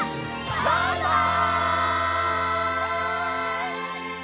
バイバイ！